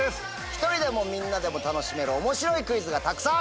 １人でもみんなでも楽しめる面白いクイズがたくさん！